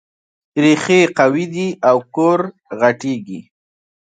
ريښې قوي دي او کور غټېږي.